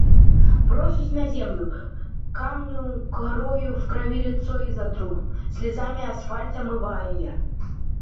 Брошусь на землю, камня корою в кровь лицо изотру, слезами асфальт омывая.